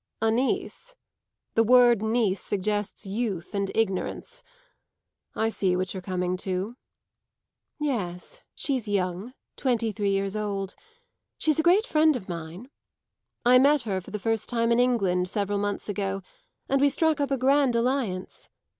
"A niece? The word niece suggests youth and ignorance. I see what you're coming to." "Yes, she's young twenty three years old. She's a great friend of mine. I met her for the first time in England, several months ago, and we struck up a grand alliance.